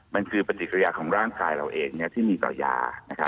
มันคือปฏิกิริยาของร่างกายเราเองที่มีต่อยา